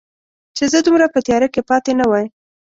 چې زه دومره په تیاره کې پاتې نه وای